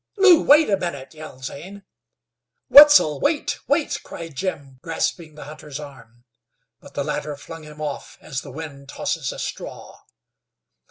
"Lew, wait a minute!" yelled Zane. "Wetzel! wait, wait!" cried Jim, grasping the hunter's arm; but the latter flung him off, as the wind tosses a straw.